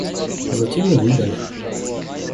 Затем и выдали.